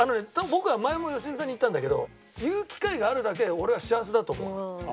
僕は前も良純さんに言ったんだけど言う機会があるだけ俺は幸せだと思う。